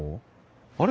あれ？